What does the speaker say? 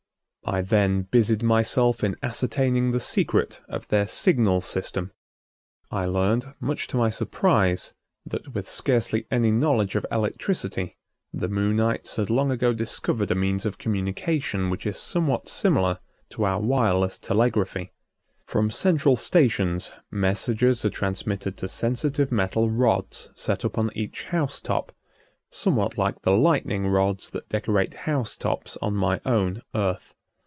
I then busied myself in ascertaining the secret of their signal system. I learned, much to my surprise, that with scarcely any knowledge of electricity the Moonites had long ago discovered a means of communication which is somewhat similar to our wireless telegraphy. From central stations messages are transmitted to sensitive metal rods set up on each house top, somewhat like the lightning rods that decorate house tops on my own Earth.